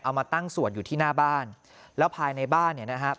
มาตั้งสวดอยู่ที่หน้าบ้านแล้วภายในบ้านเนี่ยนะครับ